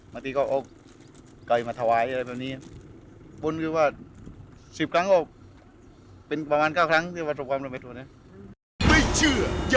มันมากับกรุงกรมบุญเกี่ยวกับสวนกับข้าวอะไรแบบนี้ค่ะ